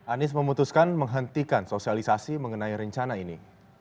anies memutuskan menghentikan sosialisasi mengenai rencana ini